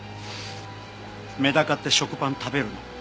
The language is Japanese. メダカって食パン食べるの。